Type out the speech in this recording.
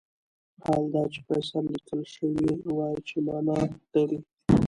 حال دا چې فصیل لیکل شوی وای چې معنی لري.